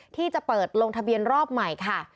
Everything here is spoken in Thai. ที่จะเปิดลงทะเบียนรอบใหม่ค่ะ